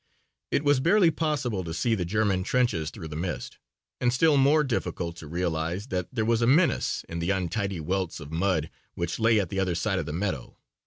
It was barely possible to see the German trenches through the mist and still more difficult to realize that there was a menace in the untidy welts of mud which lay at the other side of the meadow.